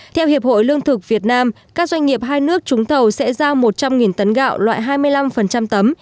theo hiệp hội lương thực việt nam các doanh nghiệp hai nước trúng thầu sẽ giao một trăm linh tấn gạo loại hai mươi năm tấm